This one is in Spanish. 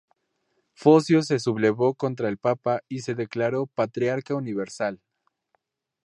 Focio se sublevó contra el papa y se declaró patriarca universal.